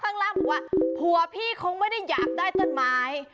ข้างล่างบอกว่าผัวพี่คงไม่ได้อยากได้ต้นไม้